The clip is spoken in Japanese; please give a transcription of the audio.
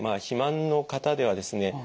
肥満の方ではですね